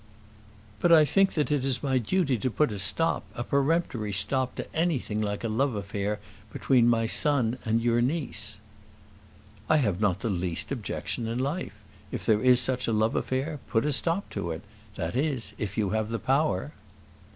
"But I think that it is my duty to put a stop, a peremptory stop to anything like a love affair between my son and your niece." "I have not the least objection in life. If there is such a love affair, put a stop to it that is, if you have the power."